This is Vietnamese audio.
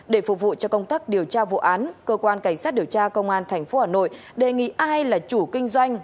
để phục vụ cho công tác điều tra vụ án cơ quan cảnh sát điều tra công an tp hà nội đề nghị ai là chủ kinh doanh